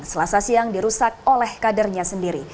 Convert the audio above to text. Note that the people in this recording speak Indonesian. selasa siang dirusak oleh kadernya sendiri